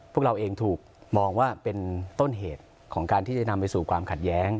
พวกเราเองถูกมองว่าเป็นต้นเหตุของการที่จะนำไปสู่ความขัดแย้ง